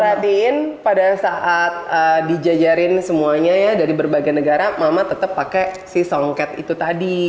perhatiin pada saat dijajarin semuanya ya dari berbagai negara mama tetap pakai si songket itu tadi